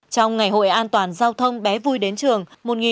trong ngày hội an toàn giao thông bé vui đến trường